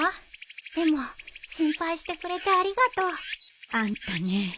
でも心配してくれてありがとう。あんたね。